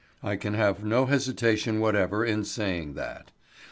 I can have no hesitation whatever in saying that.